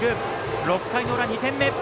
６回の裏、２点目！